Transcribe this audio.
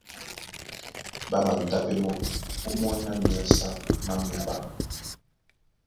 Ɓá madutá pɛ́ mɔ́ ómɔ́ny na myasa má myaɓá.